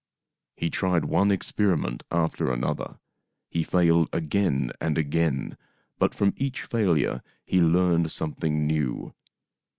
He tried one experiment after another. He failed again and again, but from each failure he learned something new.